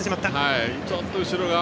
ちょっと後ろが。